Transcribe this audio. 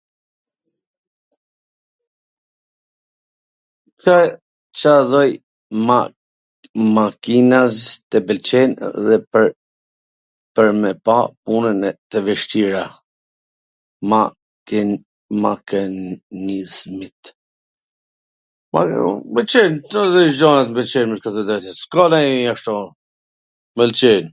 Ca lloj makinash tw pwlqejn dhe pwr me ba pun tw vwshtira? Ca lloj gjanash mw pwlqejn me t thwn tw drejtwn? s ka nonj ashtu, m pwlqejn...